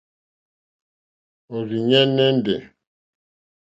Òrzìɲɛ́ nɛ́ndɛ̀.